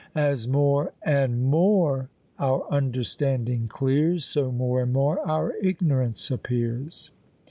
As more, and MORE, our understanding clears, So more and more our ignorance appears.